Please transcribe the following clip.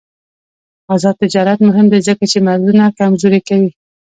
آزاد تجارت مهم دی ځکه چې مرزونه کمزوري کوي.